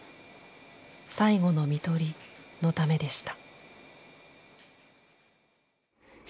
「最後の看取り」のためでした。